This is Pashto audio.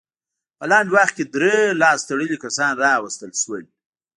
په لنډ وخت کې درې لاس تړلي کسان راوستل شول.